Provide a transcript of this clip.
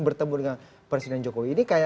bertemu dengan presiden jokowi ini kayak